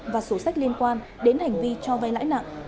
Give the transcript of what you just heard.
và sổ sách liên quan đến hành vi cho vay lãi nặng